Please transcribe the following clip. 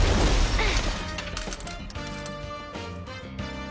あっ！